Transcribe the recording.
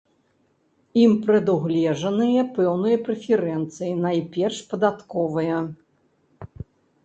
Ім прадугледжаныя пэўныя прэферэнцыі, найперш падатковыя.